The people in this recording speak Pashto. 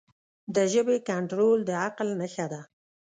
د ژبې کنټرول د عقل نښه ده.